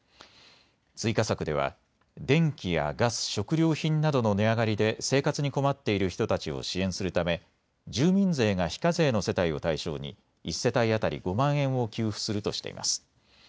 追加策では電気やガス、食料品などの値上がりで生活に困っている人たちを支援するため住民税が非課税の世帯を対象に１世帯当たり５万円を給付するとしています。